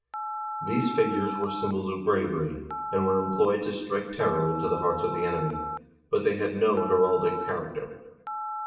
These figures were symbols of bravery, and were employed to strike terror into the hearts of the enemy, but they had no heraldic char acter.